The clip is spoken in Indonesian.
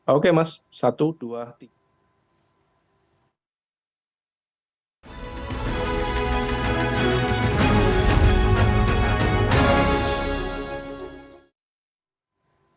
oke atas sajanya aja lah